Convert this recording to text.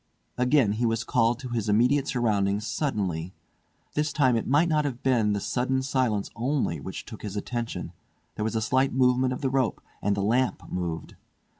Again he was called to his immediate surroundings suddenly. This time it might not have been the sudden silence only which took his attention; there was a slight movement of the rope, and the lamp moved.